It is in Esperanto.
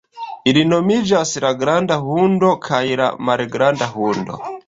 Ili nomiĝas la Granda Hundo kaj la Malgranda Hundo.